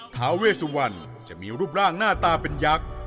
ท้าเวสุวรรณจะมีรูปร่างหน้าตาเป็นยักษ์